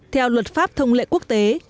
theo luật pháp thông lệ quốc tế